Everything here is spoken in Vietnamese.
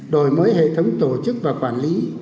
đổi mới hệ thống tổ chức và quản lý